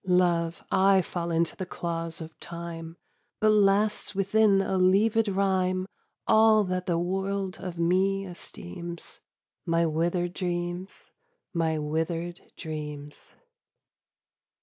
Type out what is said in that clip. Love! I fall into the claws of Time: But lasts within a leavèd rhyme All that the world of me esteems My withered dreams, my withered dreams.